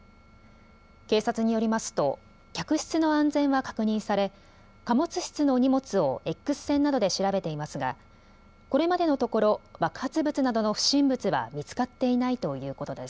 警察によりますと客室の安全は確認され貨物室の荷物をＸ線などで調べていますがこれまでのところ爆発物などの不審物は見つかっていないということです。